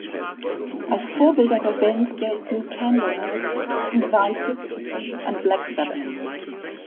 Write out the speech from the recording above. Als Vorbilder der Band gelten Candlemass, Saint Vitus und Black Sabbath.